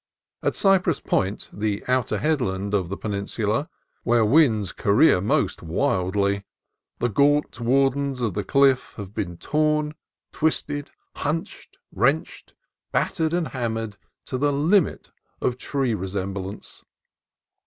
At Cypress Point, the outer headland of the peninsula, where winds career most wildly, the gaunt wardens of the cliff have been torn, twisted, hunched, wrenched, bat tered, and hammered to the limit of tree resemblance.